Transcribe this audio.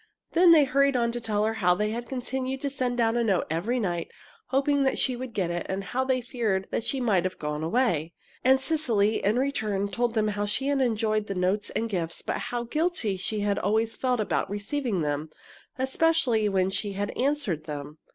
Then they hurried on to tell her how they had continued to send down a note every night, hoping that she would get it, and how they had feared that she might have gone away. And Cecily, in return, told them how she had enjoyed the notes and gifts, but how guilty she had always felt about receiving them, especially when she had answered them.